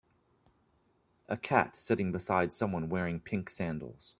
A cat sitting beside someone wearing pink sandals.